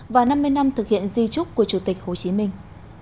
và năm mươi năm thực hiện di trúc của chủ tịch hồ chí minh